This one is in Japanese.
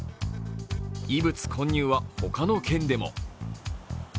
異物混入は他の県でも。